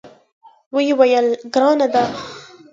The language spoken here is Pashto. ویې ویل: ګرانه ده.